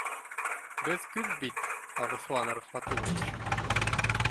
— Беҙ күп бит, Арыҫлан Рәхмәтуллович